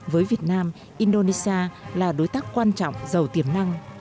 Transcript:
với việt nam indonesia là đối tác quan trọng giàu tiềm năng